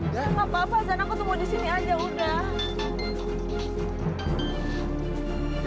gak apa apa zan aku tunggu disini aja udah